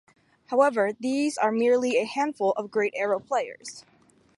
However, these are merely a handful of great Arrows players.